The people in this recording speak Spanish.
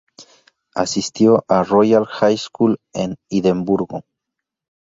Asistió a Royal High School en Edimburgo.